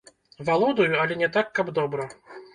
Валодаю, але не так, каб добра.